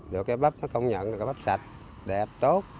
được cây bắp nó công nhận là cây bắp sạch đẹp tốt